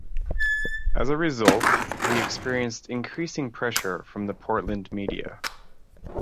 As a result, he experienced increasing pressure from the Portland media.